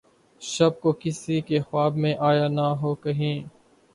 شب کو‘ کسی کے خواب میں آیا نہ ہو‘ کہیں!